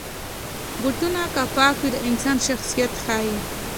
بوټونه که پاک وي، د انسان شخصیت ښيي.